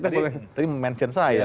tadi mention saya